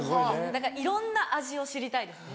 だからいろんな味を知りたいですね。